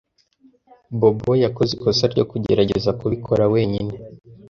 Bobo yakoze ikosa ryo kugerageza kubikora wenyine.